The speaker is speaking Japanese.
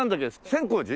千光寺！